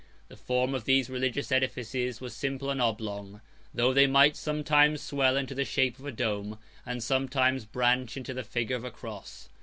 104 The form of these religious edifices was simple and oblong; though they might sometimes swell into the shape of a dome, and sometimes branch into the figure of a cross.